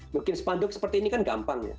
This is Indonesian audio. bikin spanduk seperti ini kan gampang